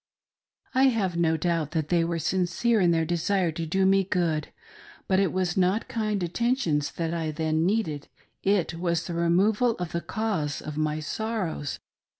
I have no doubt that they were sincere in their desire to do me good, but it was not kind attentions that I then needed, it was the removal of the cause of my sorrows.